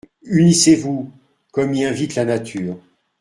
Unissez-vous, comme y invite la nature.